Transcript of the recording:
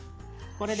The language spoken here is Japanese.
これで。